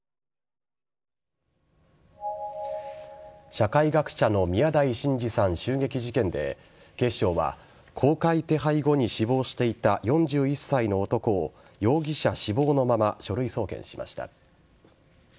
社会学者の宮台真司さん襲撃事件で警視庁は公開手配後に死亡していた４１歳の男を容疑者死亡のまま書類送検しました。